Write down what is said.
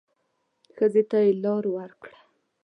ښځې ته يې لار ورکړه.